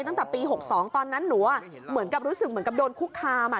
ตั้งแต่ปี๖๒ตอนนั้นหนูเหมือนกับรู้สึกเหมือนกับโดนคุกคาม